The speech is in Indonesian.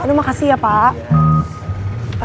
aduh makasih ya pak